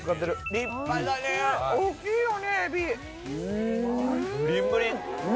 立派だね大きいよね海老。